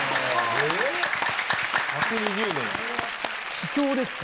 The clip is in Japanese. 秘境ですか？